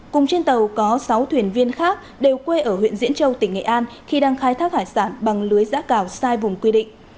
cùng trên tàu có sáu thuyền viên khác đều quê ở huyện diễn châu tỉnh nghệ an khi đang khai thác hải sản bằng lưới giã cào sai vùng quy định